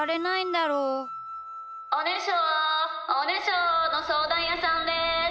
「おねしょおねしょのそうだんやさんです！